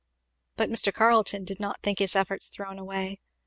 But Mr. Carleton did not think his efforts thrown away.